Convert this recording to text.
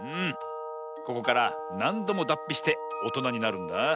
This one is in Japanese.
ここからなんどもだっぴしておとなになるんだ。